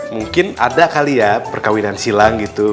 mungkin ada kali ya perkawinan silang gitu